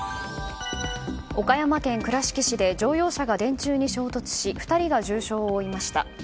岡山県倉敷市で乗用車が電柱に衝突し２人が重傷を負いました。